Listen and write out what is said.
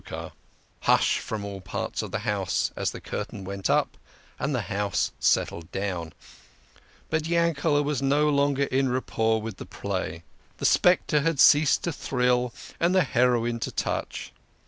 66 THE KING OF SCHNORRERS. " Hush !" from all parts of the house as the curtail went up and the house settled down. But Yankele was no longer in rapport with the play ; the spectre had ceased to thrill and the heroine to touch.